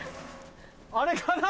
あれかな？